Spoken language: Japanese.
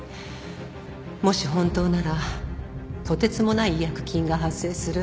もし本当ならとてつもない違約金が発生する。